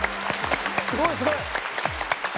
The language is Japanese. すごいすごい！